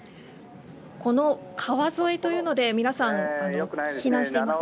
この川沿いというので、皆さん避難しています。